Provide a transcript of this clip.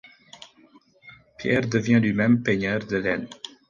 Pierre devient lui-même peigneur de laine.